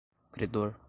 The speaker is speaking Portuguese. credor